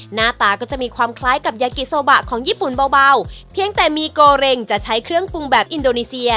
หน้าตาก็จะมีความคล้ายกับยากิโซบะของญี่ปุ่นเบาเพียงแต่มีโกเร็งจะใช้เครื่องปรุงแบบอินโดนีเซีย